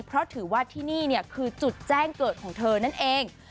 เพราะถือว่าที่นี่คือจุดแจ้งเกิดของเธอนั่นเอง